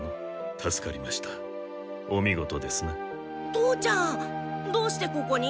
父ちゃんどうしてここに？